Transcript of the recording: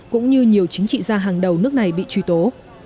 cũng như nhiều chính trị gia hàng đầu nước này bị truy tố